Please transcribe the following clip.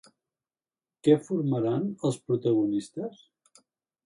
Què formaran els protagonistes?